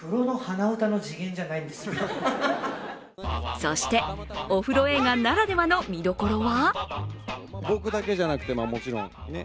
そして、お風呂映画ならではの見どころは？